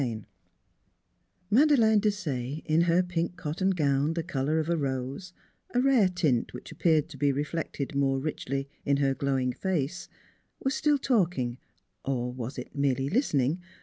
XIII MADELEINE DESAYE, in her pink cot ton gown the color of a rose a rare tint which appeared to be reflected more richly in her glowing face was still talking or was it merely listening?